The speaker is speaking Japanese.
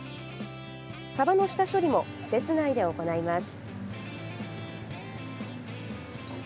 サバの下処理も施設内で行います。